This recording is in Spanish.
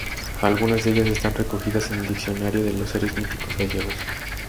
Algunas de ellas están recogidas en el "Diccionario de los seres míticos gallegos".